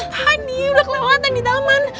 tadi udah kelewatan di taman